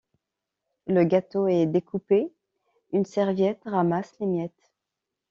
Le gâteau est découpé, une serviette ramasse les miettes.